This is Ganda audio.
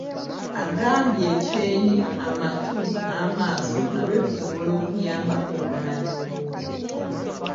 Agamba ekyenyi, amatu, n'amaaso nabyo bisobola okuyambako okumanya omuntu.